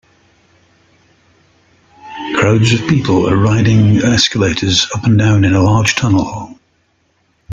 Crowds of people are riding escalators up and down in a large tunnel.